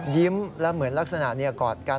ยิ้มและเหมือนลักษณะกอดกัน